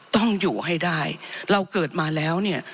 ต้องอยู่ให้ได้เราเกิดมาแล้วเนี่ย